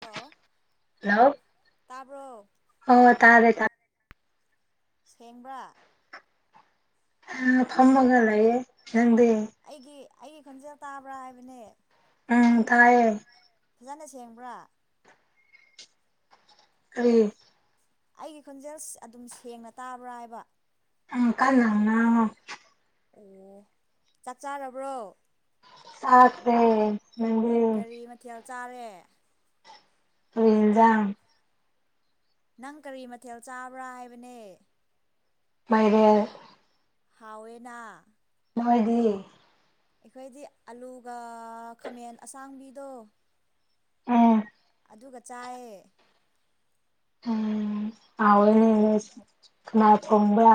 Hello hello ꯇꯥꯕ꯭ꯔꯣ ꯑꯣ ꯇꯥꯔꯦ ꯇꯥꯔꯦ ꯁꯦꯡꯕ꯭ꯔꯥ ꯍꯥ ꯐꯥꯝꯃꯒ ꯂꯩꯌꯦ ꯅꯪꯗꯤ ꯑꯩꯒꯤ ꯑꯩꯒꯤ ꯈꯣꯟꯖꯦꯜ ꯇꯥꯕ꯭ꯔꯥ ꯍꯥꯏꯕꯅꯦ ꯎꯝ ꯇꯥꯏꯌꯦ ꯐꯖꯅ ꯁꯦꯡꯕ꯭ꯔꯥ ꯀꯔꯤ ꯑꯩꯒꯤ ꯈꯣꯟꯖꯦꯜ ꯑꯗꯨꯝ ꯁꯦꯡꯅ ꯇꯥꯕ꯭ꯔꯥ ꯍꯥꯏꯕ ꯎꯝ ꯀꯟꯅ ꯉꯥꯡꯉꯣ ꯑꯣ ꯆꯥꯛ ꯆꯥꯔꯕ꯭ꯔꯣ ꯆꯥꯈꯔꯦ ꯂꯣꯏꯔꯦ [unintelligible] ꯊꯦꯜ ꯆꯥꯔꯦ ꯀꯔꯤ ꯏꯟꯖꯥꯡ ꯅꯪ ꯀꯔꯤ ꯃꯊꯦꯜ ꯆꯥꯕ꯭ꯔꯥ ꯍꯥꯏꯕꯅꯦ ꯃꯥꯏꯔꯦꯜ ꯍꯥꯎꯋꯦꯅꯥ ꯅꯣꯏꯗꯤ ꯑꯩꯈꯣꯏꯗꯤ ꯑꯂꯨꯒ ꯈꯥꯃꯦꯟ ꯑꯁꯥꯡꯕꯤꯗꯣ ꯎꯝ ꯑꯗꯨꯒ ꯆꯥꯏꯌꯦ ꯎꯝ ꯍꯥꯎꯌꯦꯅꯦ ꯀꯥꯅꯥ ꯊꯣꯡꯕ꯭ꯔ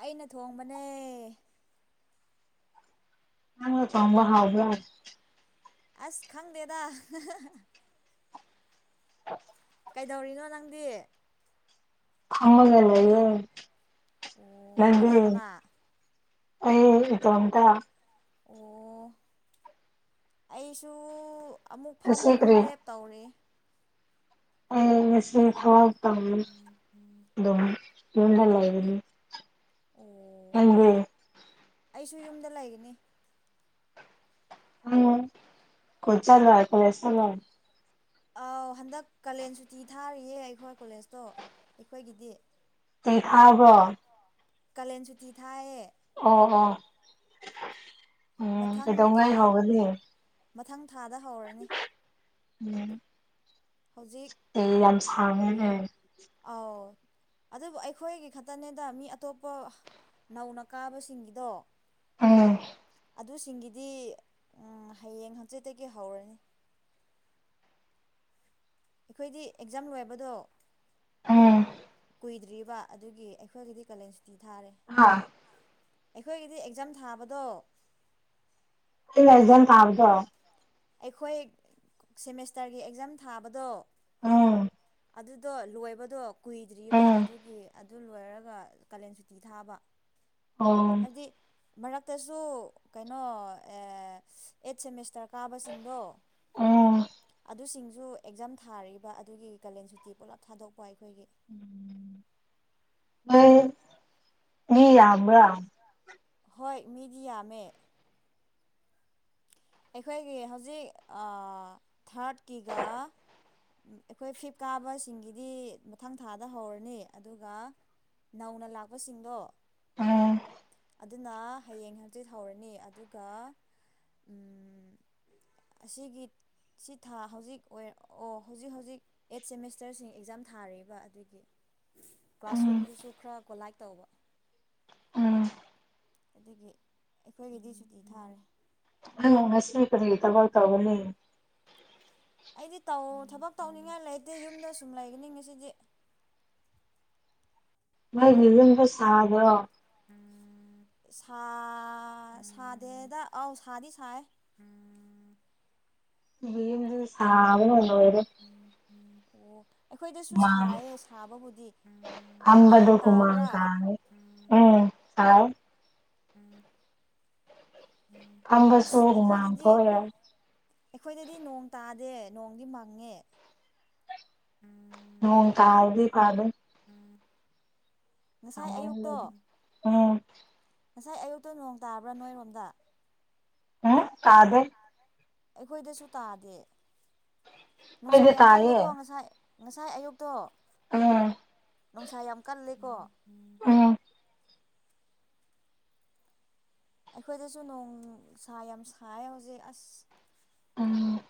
ꯑꯩꯅ ꯊꯣꯡꯕꯅꯦ ꯅꯪꯅ ꯊꯣꯡꯕ ꯍꯥꯎꯕ꯭ꯔꯥ ꯑꯁ ꯈꯪꯗꯦꯗ [inaudible] ꯀꯩꯗꯧꯔꯤꯅꯣ ꯅꯪꯗꯤ ꯐꯝꯃꯥꯒꯥ ꯂꯩꯌꯦ ꯑꯣ ꯅꯪꯗꯤ ꯀꯅꯥ ꯀꯅꯥ ꯑꯩ ꯏꯇꫭꯝꯇ ꯑꯣ ꯑꯩꯁꯨ ꯑꯃꯨꯛ ꯐꯝ ꯉꯁꯤ ꯑꯃꯨꯛ ꯀꯔꯤ ꯂꯦꯞ ꯇꯧꯔꯤ ꯑꯩ ꯉꯁꯤ ꯊꯋꯥꯏ ꯑꯗꯨꯝ ꯌꯨꯝꯗ ꯂꯩꯒꯅꯤ ꯑꯣ ꯑꯩꯁꯨ ꯌꯨꯝꯗ ꯂꯩꯒꯅꯤ [unintelligible] ꯑꯥꯎ ꯍꯟꯗꯛ ꯀꯥꯂꯦꯟ ꯁꯨꯇꯤ ꯊꯥꯔꯤꯌꯦ ꯑꯩꯈꯣꯏ ꯀꯣꯂꯦꯖꯇꯣ ꯑꯩꯈꯣꯏꯒꯤꯗꯤ ꯀꯩ ꯊꯥꯕ꯭ꯔꯣ ꯀꯥꯂꯦꯟ ꯁꯨꯇꯤ ꯊꯥꯏꯌꯦ ꯑꯣ ꯑꯣ ꯎꯝ ꯃꯊꯪ ꯊꯥ ꯀꯩꯗꯧꯉꯩꯍꯎꯒꯅꯤ ꯃꯊꯪ ꯊꯥꯗ ꯍꯧꯔꯅꯤ ꯎꯝ ꯍꯧꯖꯤꯛ ꯇꯤ ꯌꯥꯝ ꯎꯝ ꯁꯥꯡꯉꯦꯅꯦ ꯑꯥꯎ ꯑꯗꯨꯕꯨ ꯑꯩꯈꯣꯏꯒꯤ ꯈꯛꯇꯅꯦꯗ ꯃꯤ ꯑꯇꯣꯞꯄ ꯅꯧꯅ ꯀꯥꯕꯁꯤꯡꯒꯤꯗꯣ ꯑꯝ ꯑꯗꯨꯁꯤꯡꯒꯤꯗꯤ ꯎꯝ ꯍꯌꯦꯡ ꯍꯪꯆꯤꯠꯇꯒꯤ ꯍꯧꯔꯅꯤ ꯑꯩꯈꯣꯏꯗꯤ ꯑꯦꯛꯖꯥꯝ ꯂꯣꯏꯕꯗꯣ ꯎꯝ ꯀꯨꯏꯗ꯭ꯔꯤꯕ ꯑꯗꯨꯒꯤ ꯑꯩꯈꯣꯏꯒꯤꯗꯤ ꯀꯥꯂꯦꯟ ꯁꯨꯇꯤ ꯊꯥꯔꯦ ꯍꯥꯥ ꯑꯩꯈꯣꯏꯒꯤꯗꯤ ꯑꯦꯛꯖꯥꯝ ꯊꯥꯕꯗꯣ [unintelligible] ꯑꯦꯛꯖꯥꯝ ꯊꯥꯕꯗꯣ ꯑꯩꯈꯣꯏ ꯁꯦꯃꯤꯁꯇꯔꯒꯤ ꯑꯦꯛꯖꯥꯝ ꯊꯥꯕꯗꯣ ꯎꯝ ꯑꯗꯨꯗꯣ ꯂꯣꯏꯕꯗꯣ ꯀꯨꯏꯗ꯭ꯔꯤꯕ ꯎꯝ ꯑꯗꯨꯒꯤ ꯑꯠ ꯗꯨ ꯂꯣꯏꯔꯒ ꯀꯥꯂꯦꯟ ꯁꯨꯇꯤ ꯊꯥꯕ ꯑꯣ ꯍꯥꯏꯕꯗꯤ ꯃꯔꯛꯇꯁꯨ ꯀꯩꯅꯣ ꯑꯦ ꯑꯦꯠ ꯁꯦꯃꯤꯁꯇꯔ ꯀꯥꯕꯁꯤꯡꯗꯣ ꯎꯝ ꯑꯗꯨꯁꯤꯡꯖꯨ ꯑꯦꯛꯖꯥꯝ ꯊꯥꯔꯤꯕ ꯑꯗꯨꯒꯤ ꯀꯥꯂꯦꯟ ꯁꯨꯇꯤ ꯄꯨꯂꯞ ꯊꯥꯗꯣꯛꯄ ꯑꯩꯈꯣꯏꯒꯤ ꯅꯣꯏ ꯃꯤ ꯌꯥꯝꯕ꯭ꯔꯥ ꯍꯣꯏ ꯃꯤꯗꯤ ꯌꯥꯝ‌ꯃꯦ ꯑꯩꯈꯣꯏꯒꯤ ꯍꯧꯖꯤꯛ ꯑ ꯊꯥ꯭ꯔꯠꯀꯤꯒ ꯑꯩꯈꯣꯏ ꯐꯤꯞ ꯀꯥꯕꯁꯤꯡꯒꯤꯗꯤ ꯃꯊꯪ ꯊꯥꯗ ꯍꯧꯔꯅꯤ ꯑꯗꯨꯒ ꯅꯧꯅ ꯂꯥꯛꯄꯁꯤꯡꯗꯣ ꯎꯝ ꯑꯗꯨꯅ ꯍꯌꯦꯡ ꯍꯪꯆꯤꯠ ꯍꯧꯔꯅꯤ ꯑꯗꯨꯒ ꯎꯝ ꯑꯁꯤꯒꯤ ꯁꯤ ꯊꯥ ꯍꯧꯖꯤꯛ ꯑꯣꯏ ꯑꯣ ꯍꯧꯖꯤꯛ ꯍꯧꯖꯤꯛ ꯑꯦꯠ ꯁꯦꯃꯤꯁꯇꯔꯁꯤꯡ ꯑꯦꯛꯖꯥꯝ ꯊꯥꯔꯤꯕ ꯑꯗꯨꯒꯤ ꯎꯝ ꯀ꯭ꯂꯥꯁꯔꯨꯝꯗꯨꯁꯨ ꯈꯔ ꯀꯣꯂꯥꯏ ꯇꯧꯕ ꯎꯝ ꯑꯗꯨꯒꯤ ꯑꯩꯈꯣꯏꯒꯤꯗꯤ ꯁꯨꯇꯤ ꯊꯥꯔꯦ ꯍꯪ ꯉꯁꯤ ꯀꯔꯤ ꯊꯕꯛ ꯇꯧꯒꯅꯤ ꯑꯩꯗꯤ ꯇꯧ ꯊꯕꯛ ꯇꯧꯅꯤꯡꯉꯥꯏ ꯂꯩꯇꯦ ꯌꯨꯝꯗ ꯁꯨꯝ ꯂꯩꯒꯅꯤ ꯉꯁꯤꯗꯤ [inaudible] ꯅꯣꯏꯒꯤ ꯌꯨꯝꯖꯨ ꯁꯥꯕ꯭ꯔꯣ ꯁꯥ ꯁꯥꯗꯦꯗ ꯑꯥꯎ ꯁꯥꯗꯤ ꯁꯥꯏ ꯑꯈꯣꯏꯒꯤ ꯌꯨꯝꯖꯨ ꯁꯥꯕꯅ ꯂꯣꯏꯔꯦ ꯑꯣ ꯑꯩꯈꯣꯏꯗꯁꯨ ꯍꯨꯃꯥꯡ ꯁꯥꯏꯌꯦ ꯁꯥꯕꯕꯨꯗꯤ ꯐꯝꯕꯗꯣ ꯅꯣꯡ ꯍꯨꯃꯥꯡ ꯇꯥꯕ꯭ꯔꯥ ꯀꯥꯡꯉꯦ ꯎꯝ ꯇꯥꯏ ꯐꯝꯕꯁꯨ ꯑꯁ ꯍꯨꯃꯥꯡ ꯑꯩꯈꯣꯏꯗꯗꯤ ꯊꯣꯛꯑꯦ ꯑꯩꯈꯣꯏꯗꯗꯤ ꯅꯣꯡ ꯇꯥꯗꯦ ꯅꯣꯡꯗꯤ ꯃꯪꯉꯦ ꯅꯣꯡ ꯇꯥꯔꯗꯤ ꯐꯅꯤ ꯎꯝ [unintelligible] ꯉꯁꯥꯏ ꯑꯌꯨꯛꯇ ꯅꯣꯡ ꯇꯥꯕ꯭ꯔꯥ ꯅꯣꯏꯔꯣꯝꯗ ꯍꯨꯡ ꯇꯥꯗꯦ ꯇꯥꯗꯦ ꯑꯩꯈꯣꯏꯗꯁꯨ ꯇꯥꯗꯦ ꯅꯨꯡꯁꯥ ꯑꯩꯈꯣꯏꯗꯤ ꯌꯥꯝ ꯇꯥꯏꯌꯦ ꯀꯜꯂꯦꯀꯣ ꯉꯁꯥꯏ ꯉꯁꯥꯏ ꯑꯌꯨꯛꯇꯣ ꯎꯝ ꯅꯨꯡꯁꯥ ꯌꯥꯝ ꯀꯜꯂꯤꯀꯣ ꯎꯪ ꯑꯩꯈꯣꯏꯗꯁꯨ ꯅꯣꯡ ꯁꯥ ꯌꯥꯝ ꯁꯥꯏ ꯍꯧꯖꯤꯛ ꯑꯥꯁ INAUDIBLE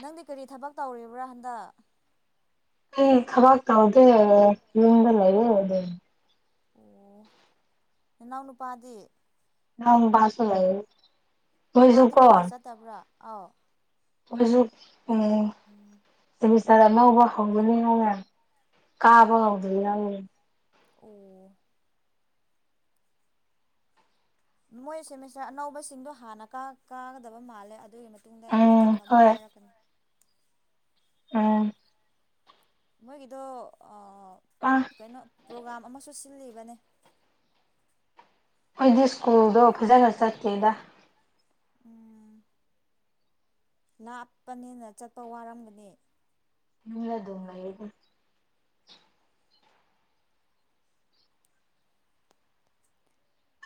ꯅꯪꯗꯤ ꯀꯔꯤ ꯊꯕꯛ ꯇꯧꯔꯤꯕ꯭ꯔꯥ ꯍꯟꯗꯛ ꯑꯩꯗꯤ ꯊꯕꯥꯛ ꯇꯧꯗꯦꯑꯦ ꯌꯨꯝꯗ ꯂꯩꯌꯦ ꯑꯣꯑꯣ ꯅꯅꯥꯎ ꯅꯨꯄꯥꯗꯤ ꯏꯅꯥꯎꯅꯨꯄꯥꯁꯨ ꯂꯩꯌꯦ ꯃꯣꯏꯖꯨ ꯀꯣ ꯇꯥꯕ꯭ꯔꯥ ꯑꯥꯎ ꯃꯣꯏꯖꯨ ꯎꯝ ꯁꯦꯃꯤꯁꯇꯔ ꯑꯅꯧꯕ ꯍꯧꯕꯅꯤꯅꯅꯦ ꯀꯥꯕ ꯍꯧꯗ꯭ꯔꯤ ꯋꯥꯠꯂꯤ ꯑꯣꯑꯣ ꯃꯣꯏ ꯁꯦꯃꯤꯁꯇꯔ ꯑꯅꯧꯕꯁꯤꯡꯗꯣ ꯍꯥꯟꯅ ꯀꯥ ꯀꯥꯒꯗꯕ ꯃꯥꯜꯂꯦ ꯑꯗꯨꯒꯤꯅꯦ ꯇꯨꯡꯗ ꯑꯩꯈꯣꯏ ꯎꯝ ꯇꯞꯅ ꯑꯃꯨꯛ ꯍꯣꯏ ꯀꯥꯔꯛꯀꯅꯤ INAUDIBLE ꯃꯣꯏꯒꯤꯗꯣ ꯑꯥꯑ INAUDIBLE ꯀꯩꯅꯣꯄ꯭ꯔꯣꯒꯥꯝ ꯑꯃꯁꯨ ꯁꯤꯜꯂꯤꯕꯅꯦ ꯑꯩꯈꯣꯏꯗꯤ ꯁ꯭ꯀꯨꯜꯗꯣ ꯐꯖꯅ ꯆꯠꯇꯦꯗ ꯎꯝ ꯂꯥꯞꯄꯅꯤꯅ ꯆꯠꯄ ꯋꯥꯔꯝꯒꯅꯤ ꯌꯨꯝꯗ ꯑꯗꯨꯝ ꯂꯩꯔꯦꯗ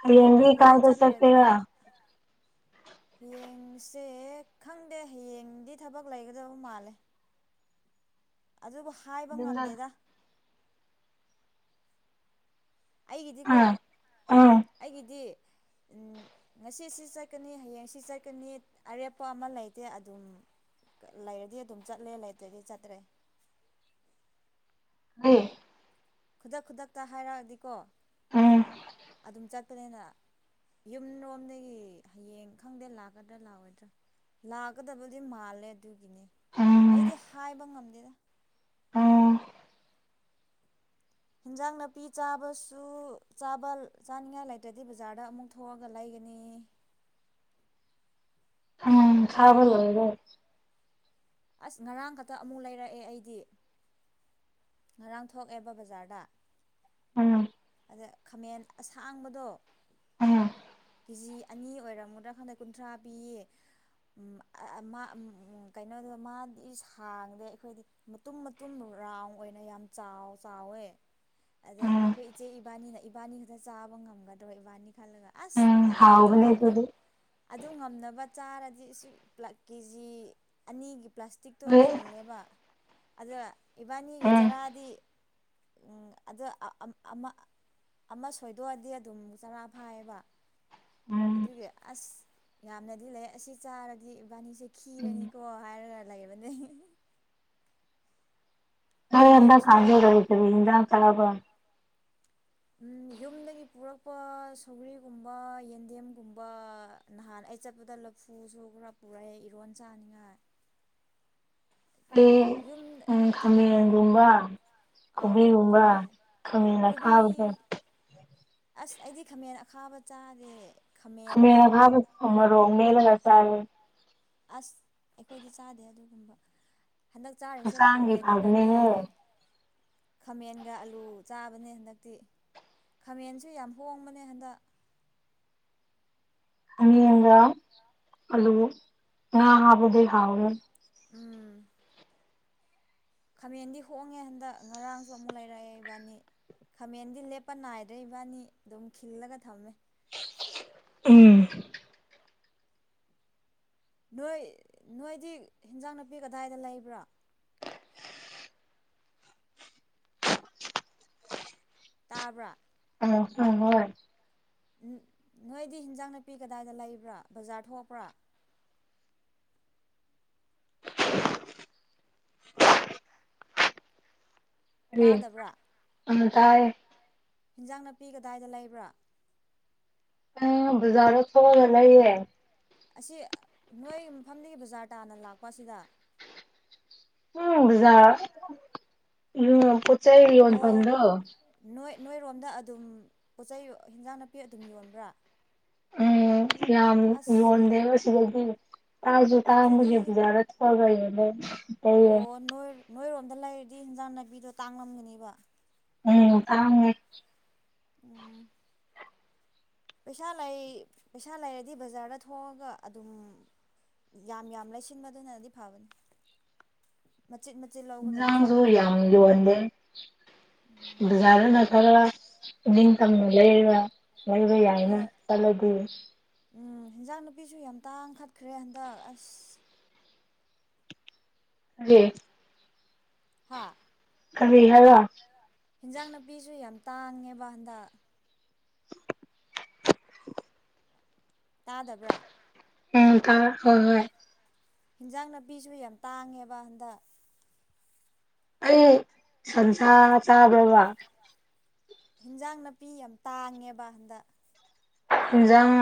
ꯍꯌꯦꯡꯗꯤ ꯌꯨꯝꯔꯣꯝꯗꯗꯤ ꯀꯥꯏꯗ ꯆꯠꯂꯣꯏꯗ꯭ꯔꯥ ꯆꯠꯀꯦꯔꯥ ꯍꯌꯦꯡ ꯁꯦ ꯈꯪꯗꯦ ꯍꯌꯦꯡꯗꯤ ꯊꯕꯛ ꯂꯩꯒꯗꯕ ꯃꯥꯜꯂꯦ ꯑꯗꯨꯕꯨ ꯍꯥꯏꯕ ꯑꯥ ꯑꯥ ꯉꯝꯗꯦꯗ ꯑꯩꯒꯤꯗꯤꯀꯣ ꯑꯩꯒꯤꯗꯤ ꯎꯪ ꯉꯁꯤ ꯁꯤ ꯆꯠꯀꯅꯤ ꯍꯌꯦꯡ ꯁꯤ ꯆꯠꯀꯅꯤ ꯑꯔꯦꯞꯄ ꯑꯃ ꯂꯩꯇꯦ ꯑꯗꯨꯝ ꯂꯩꯔꯗꯤ ꯑꯗꯨꯝ ꯆꯠꯂꯦ ꯂꯩꯇ꯭ꯔꯗꯤ ꯆꯠꯇ꯭ꯔꯦ INAUDIBLE ꯈꯨꯗꯛ- ꯈꯨꯗꯛꯇ ꯍꯥꯏꯔꯛꯑꯗꯤꯀꯣ ꯑꯗꯨꯝ ꯆꯠꯄꯅꯤꯅ ꯌꯨꯝꯔꯣꯝꯗꯒꯤ ꯍꯌꯦꯡ ꯈꯪꯗꯦ ꯂꯥꯛꯀꯗ꯭ꯔꯥ- ꯂꯥꯛꯑꯣꯏꯗ꯭ꯔꯥ ꯂꯥꯛꯀꯗꯕꯗꯤ ꯃꯥꯜꯂꯦ ꯑꯗꯨꯒꯤꯅꯦ ꯎꯝ ꯎꯝ ꯑꯩꯗꯤ ꯍꯥꯏꯕ ꯉꯝꯗꯦꯗ INAUDIBLE ꯍꯤꯟꯖꯥꯡ ꯅꯥꯄꯤ ꯆꯥꯕꯁꯨ ꯆꯥꯕ ꯆꯥꯅꯤꯉꯥꯏ ꯂꯩꯇ꯭ꯔꯗꯤ ꯕꯖꯥꯔꯗ ꯑꯃꯨꯛ ꯊꯣꯛꯑꯒ ꯂꯩꯒꯅꯤ UNINTELLIGIBLE ꯑꯁ ꯉꯔꯥꯡ ꯈꯛꯇ ꯑꯃꯨꯛ ꯂꯩꯔꯛꯑꯦ ꯑꯩꯗꯤ ꯉꯔꯥꯡ ꯊꯣꯛꯑꯦꯕ ꯕꯖꯥꯔꯗ ꯎꯪ ꯈꯥꯃꯦꯟ ꯑꯁꯥꯡꯕꯗꯣ ꯎꯝ ꯀꯦꯖꯤ ꯑꯅꯤ ꯑꯣꯏꯔꯝꯒꯗ꯭ꯔꯥ ꯈꯪꯗꯦ ꯀꯨꯟꯊ꯭ꯔꯥ ꯄꯤꯌꯦ ꯑꯝ ꯑꯥ ꯃꯥꯑꯥ ꯀꯩꯅꯣꯗꯣ ꯃꯥꯗꯤ ꯁꯥꯡꯗꯦ ꯑꯩꯈꯣꯏꯗꯤ ꯃꯇꯨꯝ ꯃꯇꯨꯝ ꯔꯥꯎꯟ ꯑꯣꯏꯅ ꯌꯥꯝ ꯆꯥꯎ ꯆꯥꯎꯋꯦ ꯑꯗꯩ ꯎꯝ ꯑꯩꯈꯣꯏ ꯏꯆꯦ ꯏꯕꯥꯅꯤꯅ ꯏꯕꯥꯅꯤ ꯈꯛꯇ ꯆꯥꯕ ꯉꯝꯒꯗ꯭ꯕ ꯏꯕꯥꯅꯤ ꯈꯜꯂꯒ ꯑꯥꯁ ꯎꯝ ꯑꯗꯨ ꯍꯥꯎꯕꯅꯦ ꯉꯝꯅꯕ ꯑꯗꯨꯗꯤ ꯑꯗꯨ ꯉꯝꯅꯕ ꯆꯥꯔꯗꯤ ꯁꯤꯄꯂꯥ ꯀꯦꯖꯤ ꯑꯅꯤꯒꯤ ꯫ ꯄ꯭ꯂꯥꯁꯇꯤꯛꯇꯣ ꯊꯜꯂꯦꯕ ꯑꯗꯣ ꯏꯕꯥꯅꯤꯒꯤ ꯎꯝ ꯆꯔꯥꯗꯤ ꯫ ꯎꯝ ꯑꯗ ꯑ ꯑꯝ ꯑꯃ ꯑꯃ ꯁꯣꯏꯗꯣꯛꯑꯗꯤ ꯑꯗꯨꯝ ꯆꯔꯥ ꯐꯥꯏꯌꯦꯕ ꯫ ꯎꯝ ꯑꯗꯨꯒꯤ ꯑꯁ ꯫ ꯌꯥꯝꯅꯗꯤ ꯂꯩꯌꯦ ꯑꯁꯤ ꯆꯥꯔꯗꯤ ꯏꯕꯥꯅꯤꯁꯦ ꯎꯝ ꯈꯤꯔꯅꯤꯀꯣ ꯍꯥꯏꯔꯒ ꯂꯩꯕꯅꯦ ꯫ ꯅꯣꯏ ꯍꯟꯗꯛ ꯈꯥꯃꯦꯟꯁꯨ ꯀꯥꯟꯖꯦ [unintelligible] ꯔꯤ ꯀꯔꯤ ꯏꯟꯖꯥꯡ ꯆꯥꯕꯔ꯭ꯥ ꯫ ꯎꯝ ꯌꯨꯝꯗꯒꯤ ꯄꯨꯔꯛꯄ ꯁꯧꯒ꯭ꯔꯤꯒꯨꯝꯕ ꯌꯦꯟꯗꯦꯝꯒꯨꯝꯕ ꯫ ꯅꯍꯥꯟ ꯑꯩ ꯆꯠꯄꯗ ꯂꯐꯨꯁꯨ ꯈꯔ ꯄꯨꯔꯛꯑꯦ ꯏꯔꯣꯟ ꯆꯥꯅꯤꯡꯉꯥꯏ꯫ ꯂꯦ ꯌꯨꯝ ꯎꯝ ꯑꯗꯨꯒ ꯈꯃꯦꯟꯒꯨꯝꯕ ꯫ ꯀꯨꯕꯤ ꯑꯥꯎ ꯒꯨꯝꯕ ꯈꯥꯃꯦꯟ ꯈꯃꯦꯟ ꯀꯣꯕꯤ ꯑꯈꯥꯕꯗꯣ ꯫ ꯑꯁ ꯑꯩꯗꯤ ꯈꯥꯃꯦꯟ ꯑꯈꯥꯕ ꯆꯥꯗꯦ꯫ ꯈꯃꯦꯟ ꯈꯥꯃꯦꯟꯗꯣ ꯑꯈꯥꯕ ꯎꯝ ꯃꯣꯔꯣꯛ ꯃꯦꯠꯂꯒ ꯆꯥꯏꯌꯦ ꯫ ꯑꯁ ꯑꯩꯈꯣꯏꯗꯤ ꯆꯥꯗꯦ ꯑꯗꯨꯒꯨꯝꯕ ꯫ ꯍꯟꯗꯛ ꯆꯥꯔꯤꯁꯦ ꯍꯛꯆꯥꯡꯒꯤ ꯈꯥꯃꯦꯟꯒꯅꯦ ꯐꯕꯅꯦꯍꯦ ꯫ ꯈꯥꯃꯦꯟꯒ ꯑꯂꯨ ꯆꯥꯕꯅꯦ ꯍꯟꯗꯛꯇꯤ ꯈꯥꯃꯦꯟꯁꯨ ꯌꯥꯝ ꯍꯣꯡꯕꯅꯦ ꯍꯟꯗꯛ ꯫ ꯈꯃꯦꯟꯒ ꯑꯂꯨ ꯉꯥ ꯍꯥꯞꯕꯗꯤ ꯍꯥꯎꯋꯦ ꯫ ꯎꯝ ꯈꯥꯃꯦꯟꯗꯤ ꯍꯣꯡꯉꯦ ꯍꯟꯗꯛ ꯉꯔꯥꯡꯁꯨ ꯑꯃꯨꯛ ꯂꯩꯔꯛꯑꯦ ꯏꯕꯥꯅꯤ꯫ ꯈꯥꯃꯦꯟꯗꯤ ꯂꯦꯞꯄ ꯅꯥꯏꯗ꯭ꯔꯦ ꯏꯕꯥꯅꯤ ꯗꯨꯝ ꯈꯤꯜꯂꯒ ꯊꯝꯃꯦ꯫ ꯎꯝ ꯅꯣꯏ ꯅꯣꯏꯗꯤ ꯍꯤꯟꯖꯥꯡ ꯅꯥꯄꯤ ꯀꯗꯥꯏꯗ ꯂꯩꯕ꯭ꯔꯥ ꯫ ꯇꯥꯕ꯭ꯔꯥ ꯫ ꯑꯥ ꯍ ꯍꯣꯏ ꯫ ꯅꯣꯏꯗꯤ ꯍꯤꯟꯖꯥꯡ ꯅꯥꯄꯤ ꯀꯗꯥꯏꯗ ꯂꯩꯕ꯭ꯔꯥ ꯕꯖꯥꯔ ꯊꯣꯛꯄ꯭ꯔꯥ ꯫ ꯔꯤ ꯇꯥꯗꯕ꯭ꯔꯥ ꯎꯝ ꯇꯥꯏꯌꯦ ꯫ ꯍꯤꯟꯖꯥꯡ ꯅꯥꯄꯤ ꯀꯗꯥꯏꯗ ꯂꯩꯕ꯭ꯔꯥ ꯫ ꯑ ꯕꯖꯥꯔꯗ ꯊꯣꯛꯑꯒ ꯂꯩꯌꯦ ꯫ ꯑꯁꯤ ꯅꯣꯏ ꯃꯐꯝꯗꯒꯤ ꯕꯖꯥꯔ ꯇꯥꯟꯅ ꯂꯥꯛꯄ ꯑꯁꯤꯗ ꯫ ꯍꯨꯝ ꯕꯖꯥꯔ ꯄꯣꯠꯆꯩ ꯑꯣ ꯌꯣꯟꯐꯝꯗꯣ ꯫ ꯅꯣꯏ ꯅꯣꯏꯔꯣꯝꯗ ꯑꯗꯨꯝ ꯄꯣꯠ ꯆꯩꯩ ꯍꯤꯟꯖꯥꯡ ꯅꯥꯄꯤ ꯑꯗꯨꯝ ꯌꯣꯟꯕ꯭ꯔꯥ ꯫ ꯎꯝ ꯌꯥꯝ ꯑꯁ ꯌꯣꯟꯗꯦꯕ ꯁꯤꯗꯗꯤ ꯇꯥꯡꯁꯨ ꯇꯥꯡꯕꯒꯤ ꯑꯗꯨꯗꯤ ꯕꯖꯥꯔ [unintelligible] ꯑꯣ ꯅꯣꯏ ꯅꯣꯏꯔꯣꯝꯗ ꯂꯩꯔꯗꯤ ꯏꯟꯖꯥꯡ ꯅꯥꯄꯤꯗꯣ ꯇꯥꯡꯂꯝꯒꯅꯦꯕ꯫ ꯎꯝ ꯇꯥꯡꯉꯦ꯫ ꯎꯝ ꯄꯩꯁꯥ ꯂꯩ ꯄꯩꯁꯥ ꯂꯩꯔꯗꯤ ꯕꯖꯥꯔꯗ ꯊꯣꯛꯑꯒ ꯑꯗꯨꯝ꯫ ꯌꯥꯝ ꯌꯥꯝ ꯂꯩꯁꯤꯟꯕꯗꯨꯅꯗꯤ ꯐꯕꯅꯤ꯫ ꯃꯆꯤꯠ ꯃꯆꯤꯠ ꯏꯟꯖꯥꯡꯖꯨ ꯁꯔꯨꯛ ꯌꯥꯝ ꯌꯣꯟꯗꯦ ꯫ ꯕꯖꯥꯔꯗꯅ [unintelligible] ꯈꯔꯒ ꯏꯅꯤꯡꯇꯝꯅ ꯂꯩꯔꯒ ꯂꯩꯕ ꯌꯥꯏ꯫ ꯌꯥꯏꯅ ꯍꯣꯏ ꯆꯂꯗꯤ꯫ ꯎꯝ ꯍꯤꯟꯖꯥꯡ ꯅꯥꯄꯤꯁꯨ ꯌꯥꯝ ꯇꯥꯡꯈꯠꯈ꯭ꯔꯦ ꯍꯟꯗꯛ ꯑꯁ ꯫ ꯀꯔꯤ [unintelligible] ꯍꯥꯥ ꯀꯔꯤ ꯍꯥꯏꯔꯥ ꯫ ꯍꯤꯟꯖꯥꯡ ꯅꯥꯄꯤꯁꯨ ꯌꯥꯝ ꯇꯥꯡꯉꯦꯕ ꯍꯟꯗꯛ ꯇꯥꯗꯕ꯭ꯔꯥ ꯎꯝ ꯇꯥ ꯍꯣꯏ ꯍꯣꯏ ꯍꯤꯟꯖꯥꯡ ꯅꯥꯄꯤꯁꯨ ꯌꯥꯝ ꯇꯥꯡꯉꯦꯕ ꯍꯟꯗꯛ ꯑꯩ ꯁꯟꯁꯥ ꯆꯥꯕ꯭ꯔꯕ ꯍꯤꯟꯖꯥꯡ ꯅꯥꯄꯤ ꯌꯥꯝ ꯇꯥꯡꯉꯦꯕ ꯍꯟꯗꯛ ꯍꯤꯟꯖꯥꯡ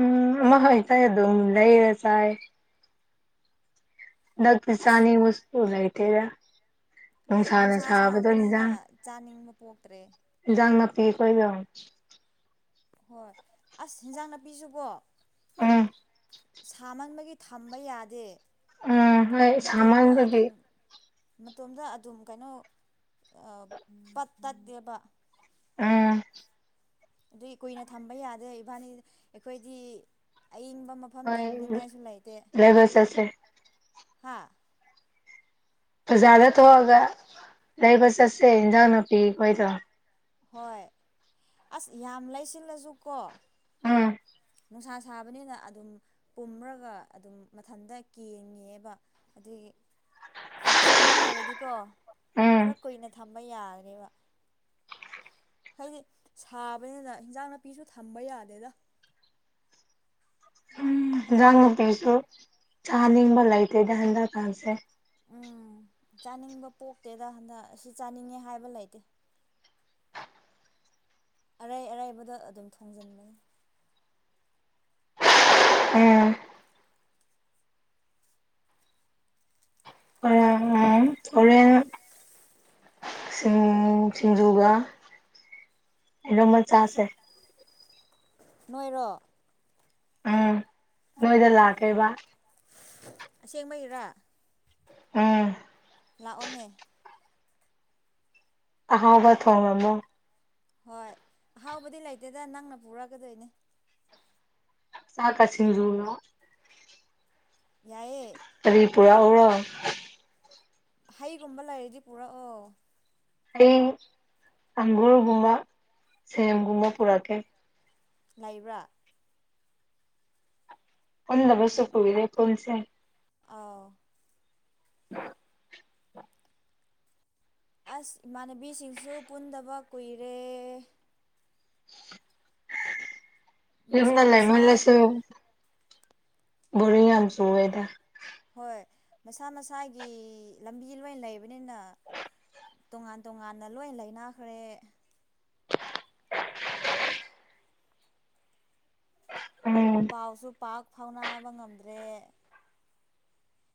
ꯎꯝ ꯑꯃꯥ ꯍꯦꯛꯇ ꯑꯗꯨꯝ ꯂꯩꯔ ꯆꯥ‌ꯏ ꯍꯟꯗꯛꯇꯤ ꯑꯁ ꯆꯥꯅꯤꯡꯕꯁꯨ ꯂꯩꯇꯦꯗ ꯍꯣꯏ ꯅꯨꯡꯁꯥꯅ ꯅꯨꯡꯁꯥ ꯁꯥꯕꯗꯣ ꯁꯥꯕꯅꯤꯅ ꯍꯤꯟꯖꯥꯡ ꯆꯥꯅꯤꯡꯕ ꯄꯣꯛꯇ꯭ꯔꯦ ꯍꯤꯟꯖꯡ ꯅꯄꯤ ꯀꯣꯏꯗꯣ ꯍꯣꯏ ꯑꯁ ꯍꯤꯟꯖꯥꯡ ꯅꯥꯄꯤꯖꯨꯀꯣ ꯎꯝ ꯁꯥꯃꯟꯕꯒꯤ ꯊꯝꯕ ꯌꯥꯗꯦ ꯎꯝ ꯍꯣꯏ ꯃꯇꯣꯝꯗ ꯁꯥꯃꯟꯕꯒꯤ ꯑꯗꯨꯝ ꯃꯇꯣꯝꯗ ꯑꯗꯨꯝ ꯀꯩꯅꯣ ꯄꯠ ꯇꯠꯇꯦꯕ ꯎꯝ ꯑꯗꯨꯏ ꯀꯨꯏꯅ ꯊꯝꯕ ꯌꯥꯗꯦ ꯏꯕꯥꯟꯅꯤ ꯑꯩꯈꯣꯏꯗꯤ ꯑꯏꯪꯕ ꯃꯥ ꯐꯝ ꯍꯣꯏ ꯊꯝꯅꯤꯡꯉꯥꯏꯁꯨ ꯂꯩꯇꯦ ꯂꯩꯕ ꯆꯠꯁꯦ ꯍꯥ ꯕꯖꯥꯔꯗ ꯊꯣꯛꯑꯒ ꯂꯩꯕ ꯆꯠꯁꯦ ꯍꯤꯟꯖꯥꯡ ꯅꯥꯄꯤ ꯈꯣꯏꯗꯣ ꯍꯣꯏ ꯑꯁ ꯌꯥꯝ ꯂꯩꯁꯤꯜꯂꯁꯨ ꯀꯣ ꯎꯝ ꯅꯨꯡꯁꯥ ꯁꯥꯕꯅꯤꯅ ꯑꯗꯨꯝ ꯄꯨꯝꯔꯒ ꯑꯗꯨꯝ ꯃꯊꯟꯗ ꯀꯦꯡꯉꯦꯕ ꯑꯗꯨꯒꯤ ꯐ꯭ꯔꯤꯁ ꯀꯨꯝꯕ ꯂꯩꯔꯗꯤꯀꯣ ꯎꯝ ꯈꯔ ꯀꯨꯏꯅ ꯊꯝꯕ ꯌꯥꯒꯅꯤꯕ ꯍꯥꯏꯗꯤ ꯁꯥꯕꯅꯤꯅ ꯍꯤꯟꯖꯥꯡ ꯅꯥꯄꯤꯁꯨ ꯊꯝꯕ ꯌꯥꯗꯦꯗ ꯍꯤꯟꯖꯥꯡ ꯅꯄꯤꯁꯨ ꯆꯥꯅꯤꯡꯕ ꯂꯩꯇꯦꯗ ꯍꯟꯗꯛ ꯀꯥꯟꯁꯦ ꯎꯝ ꯆꯥꯅꯤꯡꯕ ꯄꯣꯛꯇꯦꯗ ꯍꯟꯗꯛ ꯁꯤ ꯆꯥꯅꯤꯡꯉꯦ ꯍꯥꯏꯕ ꯂꯩꯇꯦ ꯑꯔꯩ ꯑꯔꯩꯕꯗꯣ ꯑꯗꯨꯝ ꯊꯣꯡꯖꯟꯕꯅꯦ ꯎꯝ ꯎꯝ ꯎꯝ ꯍꯣꯔꯦꯟ ꯁꯤꯡ ꯁꯤꯡꯖꯨꯒ ꯏꯔꯣꯝꯕ ꯆꯥꯁꯦ ꯅꯣꯏꯔꯣ ꯎꯝ ꯅꯣꯏꯗ ꯂꯥꯛꯀꯦꯕ ꯑꯁꯦꯡꯕꯒꯤꯔꯥ ꯎꯝ ꯂꯥꯛ ꯑꯣꯅꯦ ꯑꯍꯥꯎꯕ ꯊꯣꯡꯉꯝꯃꯣ ꯍꯣꯏ ꯑꯍꯥꯎꯕꯗꯤ ꯂꯩꯇꯦꯗ ꯅꯪꯅ ꯄꯨꯔꯛꯒꯗꯣꯏꯅꯦ ꯆꯛꯀꯥ ꯁꯤꯡꯖꯨꯔꯣ ꯌꯥꯏꯌꯦ ꯀꯔꯤ ꯄꯨꯔꯥꯛ ꯎꯔꯣ ꯍꯩꯒꯨꯝꯕ ꯂꯩꯔꯗꯤ ꯄꯨꯔꯛꯑꯣ ꯑꯩ ꯑꯪꯒꯨꯔꯒꯨꯝꯕ ꯁꯦꯝꯒꯨꯝꯕ ꯄꯨꯔꯛꯀꯦ ꯂꯩꯕ꯭ꯔꯥ ꯄꯨꯟꯗꯕꯁꯨ ꯀꯨꯏꯔꯦ ꯄꯨꯟꯁꯦ ꯑꯥꯎ [unintelligible] ꯑꯁ ꯏꯃꯥꯟꯅꯕꯤꯁꯤꯡꯁꯨ ꯄꯨꯟꯗꯕ ꯀꯨꯏꯔꯦ ꯃꯁꯥ ꯌꯨꯝꯅ ꯂꯩꯃꯜꯂꯁꯨ ꯃꯁꯥꯒꯤ ꯕꯣꯔꯤꯡ ꯌꯥꯝ ꯆꯨꯋꯦꯗ ꯍꯣꯏ ꯃꯁꯥ ꯃꯁꯥꯒꯤ ꯂꯝꯕꯤ ꯂꯣꯏꯅꯥ ꯂꯩꯕꯅꯤꯅ ꯇꯣꯉꯥꯟ ꯇꯣꯉꯥꯟꯅ ꯂꯣꯏ ꯂꯩꯅꯈ꯭ꯔꯦ ꯎꯝ ꯄꯥꯎꯁꯨ ꯄꯥꯛ ꯐꯥꯎꯅꯕ ꯉꯝꯗ꯭ꯔꯦ